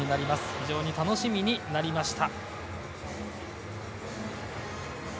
非常に楽しみになりました。